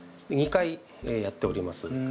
２回やっております。